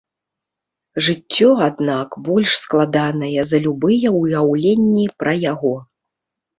Жыццё, аднак, больш складанае за любыя ўяўленні пра яго.